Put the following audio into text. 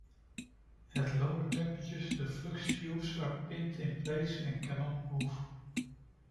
At lower temperatures the flux tubes are pinned in place and cannot move.